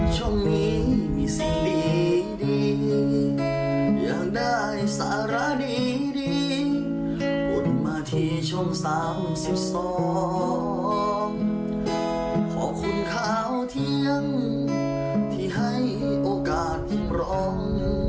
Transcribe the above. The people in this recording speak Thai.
จับข่าวเที่ยงที่ให้โอกาสรอง